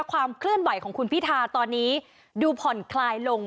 ความเคลื่อนไหวของคุณพิธาตอนนี้ดูผ่อนคลายลง